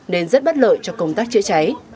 nên rất bất lợi cho công tác chữa cháy